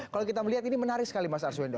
kalau kita melihat ini menarik sekali mas arswendo